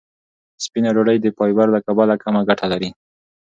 سپینه ډوډۍ د فایبر له کبله کمه ګټه لري.